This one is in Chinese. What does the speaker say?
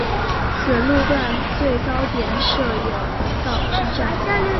此路段最高点设有道之站。